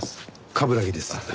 冠城です。